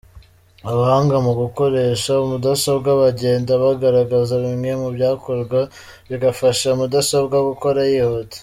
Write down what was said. Abahanga mu gukoresha mudasobwa bagenda bagaragaza bimwe mu byakorwa bigafasha mudasobwa gukora yihuta:.